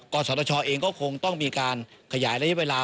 ศตชเองก็คงต้องมีการขยายระยะเวลา